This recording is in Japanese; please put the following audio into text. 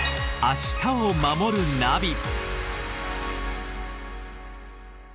「明日をまもるナビ」